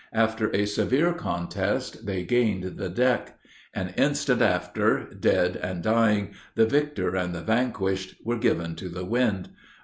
After a severe contest they gained the deck. An instant after, dead and dying, the victor and the vanquished, were given to the wind.